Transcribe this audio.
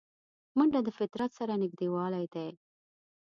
منډه د فطرت سره نږدېوالی دی